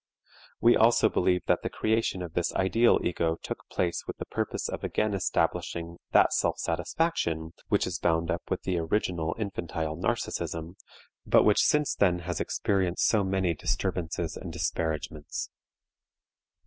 We also believe that the creation of this ideal ego took place with the purpose of again establishing that self satisfaction which is bound up with the original infantile narcism, but which since then has experienced so many disturbances and disparagements.